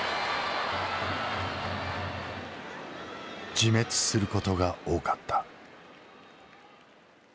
自滅することが多かった。